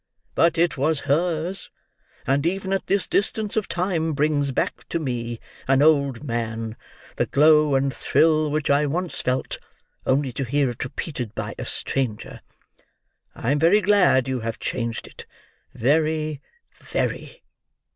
But it was hers, and even at this distance of time brings back to me, an old man, the glow and thrill which I once felt, only to hear it repeated by a stranger. I am very glad you have changed it—very—very."